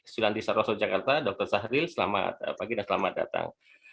sulanti saroso jakarta dr sahril selamat pagi dan selamat datang